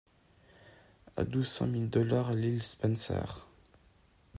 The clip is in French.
À douze cent mille dollars l’île Spencer!...